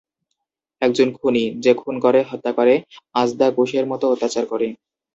একজন খুনী, যে খুন করে, হত্যা করে, আজদা-কুশের মত অত্যাচার করে।